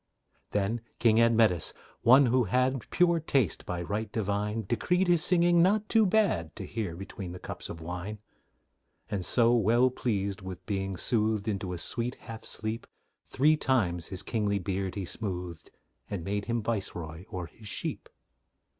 Then King Admetus, one who had Pure taste by right divine, Decreed his singing not too bad To hear between the cups of wine: And so, well pleased with being soothed Into a sweet half sleep, Three times his kingly beard he smoothed, And made him viceroy o'er his sheep.